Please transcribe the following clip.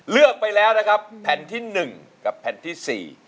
เลือกไปแล้วนะครับแผ่นที่๑กับแผ่นที่๔